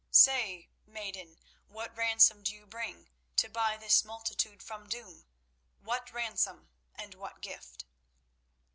"Say, maiden, what ransom do you bring to buy this multitude from doom? What ransom, and what gift?"